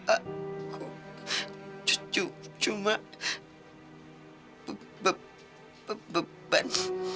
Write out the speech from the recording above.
aku cuma beban